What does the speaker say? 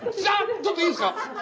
ちょっといいですか？